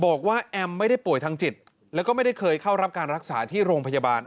แอมไม่ได้ป่วยทางจิตแล้วก็ไม่ได้เคยเข้ารับการรักษาที่โรงพยาบาล